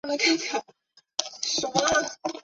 归正会教堂。